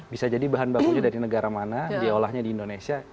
bisa jadi bahan bakunya dari negara mana dia olahnya di indonesia